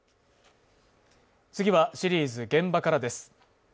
次はシリーズ「現場から」です。